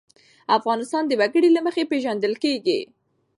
افغانستان د وګړي له مخې پېژندل کېږي.